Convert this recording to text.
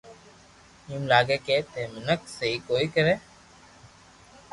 ايم لاگي ڪي تو مينک سھي ڪوئي ني